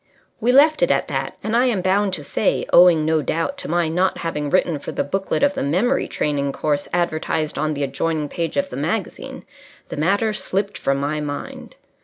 We left it at that, and I am bound to say owing, no doubt, to my not having written for the booklet of the Memory Training Course advertised on the adjoining page of the magazine the matter slipped from my mind.